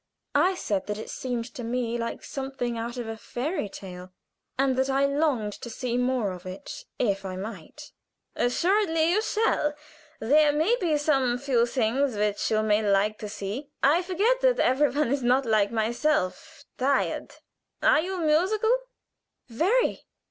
I said that it seemed to me like something out of a fairy tale, and that I longed to see more of it if I might. "Assuredly you shall. There may be some few things which you may like to see. I forget that every one is not like myself tired. Are you musical?" "Very!"